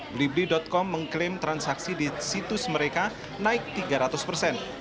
blibli com mengklaim transaksi di situs mereka naik tiga ratus persen